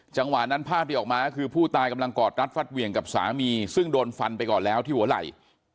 จังหวะนั้นภาพที่ออกมาก็คือผู้ตายกำลังกอดรัดฟัดเหวี่ยงกับสามีซึ่งโดนฟันไปก่อนแล้วที่หัวไหล่